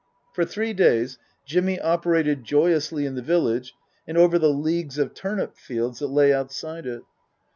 For three days Jimmy operated joyously in the village and over the leagues of turnip fields that lay outside it.